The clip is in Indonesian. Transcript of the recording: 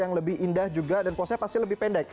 yang lebih indah juga dan puasanya pasti lebih pendek